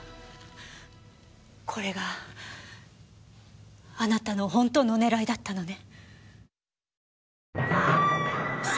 これがあなたの本当の狙いだったのね？